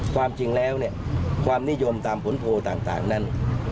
ความจริงแล้วเนี่ยความนิยมตามผลโพลต่างนั้น